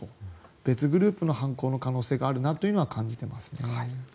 別グループの犯行の可能性があるなとは感じていますね。